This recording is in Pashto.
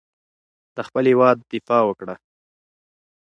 د خپل هېواد دفاع وکړه.